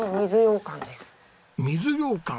水ようかん？